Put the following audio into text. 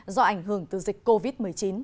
do ảnh hưởng từ dịch covid một mươi chín